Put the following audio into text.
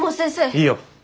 いいよ。